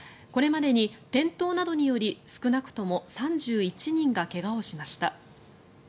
これまでに転倒などにより少なくとも３１人が怪我をしました。